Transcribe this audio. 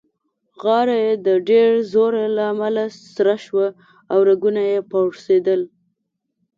غاړه يې د ډېر زوره له امله سره شوه او رګونه يې پړسېدل.